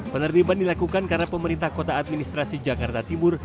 penerdiban dilakukan karena pemerintah kota administrasi jakarta tibur